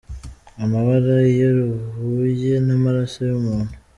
amabara iyo ruhuye n’amaraso y’umuntu.